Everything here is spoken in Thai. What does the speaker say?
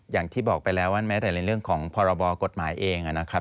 อย่างที่บอกไปแล้วว่าแม้แต่ในเรื่องของพรบกฎหมายเองนะครับ